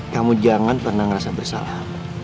kamu jangan pernah ngerasa bersalah